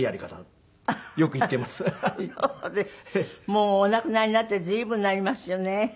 もうお亡くなりになって随分になりますよね。